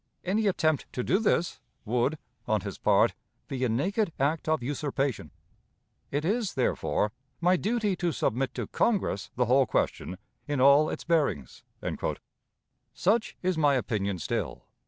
Any attempt to do this would, on his part, be a naked act of usurpation. It is, therefore, my duty to submit to Congress the whole question, in all its bearings." Such is my opinion still.